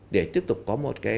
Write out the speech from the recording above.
để tiếp tục có một năng lượng